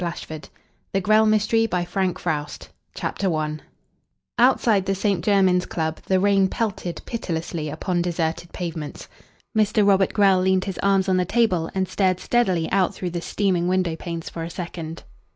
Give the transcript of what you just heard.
CLODE THE GRELL MYSTERY CHAPTER I Outside the St. Jermyn's Club the rain pelted pitilessly upon deserted pavements. Mr. Robert Grell leaned his arms on the table and stared steadily out through the steaming window panes for a second.